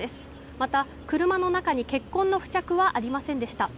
また、車の中に血痕の付着はありませんでした。